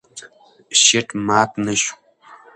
شیټ مات نه شو.